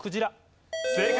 正解！